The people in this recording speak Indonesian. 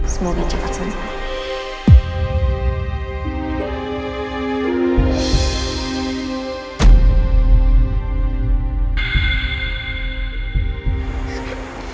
semoga cepat sembuh